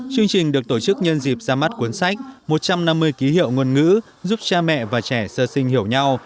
chương trình được tổ chức nhân dịp ra mắt cuốn sách một trăm năm mươi ký hiệu ngôn ngữ giúp cha mẹ và trẻ sơ sinh hiểu nhau